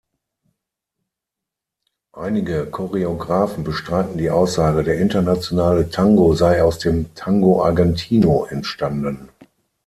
Einige Choreografen bestreiten die Aussage, der "Internationale Tango" sei aus dem "Tango Argentino" entstanden.